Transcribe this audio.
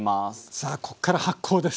さあこっから発酵です。